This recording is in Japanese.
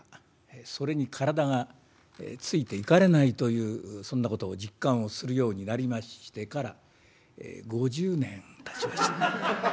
それに体がついていかれないというそんなことを実感をするようになりましてから５０年たちました。